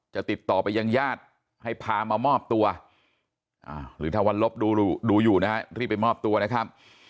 ติดต่อไปยังญาติให้พามามอบตัวหรือถ้าวันลบดูอยู่นะฮะรีบไปมอบตัวนะครับ